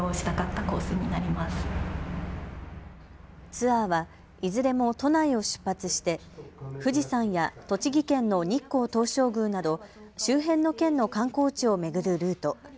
ツアーはいずれも都内を出発して富士山や栃木県の日光東照宮など周辺の県の観光地を巡るルート。